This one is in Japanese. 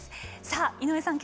さあ井上さん